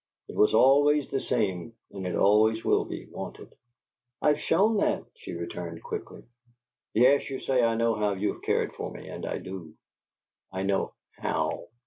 It was always the same and it always will be, won't it?" "I've shown that," she returned, quickly. "Yes. You say I know how you've cared for me and I do. I know HOW.